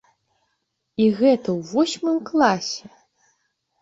І гэта ў восьмым класе!